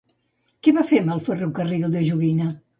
Què va fer amb el ferrocarril de joguina?